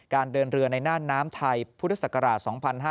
เดินเรือในน่านน้ำไทยพุทธศักราช๒๕๕๙